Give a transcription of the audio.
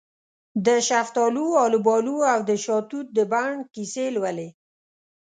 دشفتالو، الوبالواودشاه توت د بڼ کیسې لولې